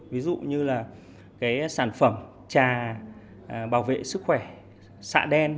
ví dụ như là cái sản phẩm trà bảo vệ sức khỏe xạ đen